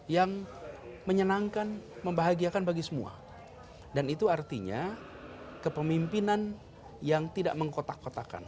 yang menyenangkan membahagiakan bagi semua dan itu artinya kepemimpinan yang tidak mengkotak kotakan